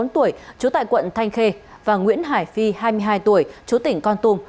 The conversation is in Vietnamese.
bốn mươi bốn tuổi trú tại quận thanh khê và nguyễn hải phi hai mươi hai tuổi trú tỉnh con tùng